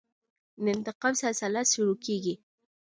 د انتقام سلسله شروع کېږي.